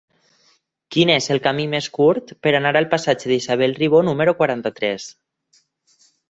Quin és el camí més curt per anar al passatge d'Isabel Ribó número quaranta-tres?